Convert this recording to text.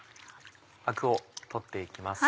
アクを取って行きます。